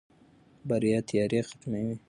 بریا تیارې ختموي.